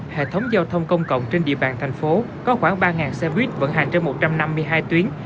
hệ thống giao thông công cộng trên địa bàn thành phố có khoảng ba xe buýt vận hành trên một trăm năm mươi hai tuyến